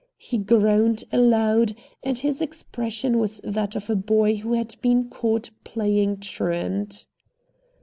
He groaned aloud, and his expression was that of a boy who had been caught playing truant.